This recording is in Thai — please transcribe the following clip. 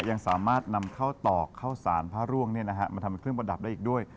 ยังสามารถนำเข้าตอกข้าวสารพระร่วงมาทำเป็นเครื่องประดับได้อีกด้วย